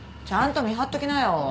ちゃんと見張っときなよ。